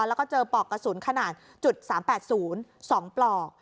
แล้วก็เจอปลอกกระสุนขนาด๓๘๐๒ปลอก